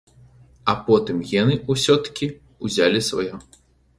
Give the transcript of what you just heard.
А потым гены ўсё-ткі ўзялі сваё.